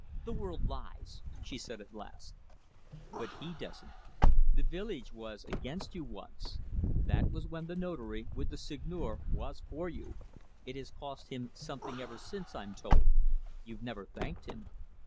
"The world lies!" she said at last. "But he doesn't. The village was against you once. That was when the Notary, with the Seigneur, was for you it has cost him something ever since, I'm told. You've never thanked him."